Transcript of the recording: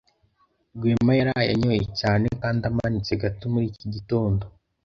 Rwema yaraye anyoye cyane kandi amanitse gato muri iki gitondo.